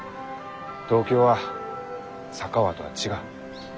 東京は佐川とは違う。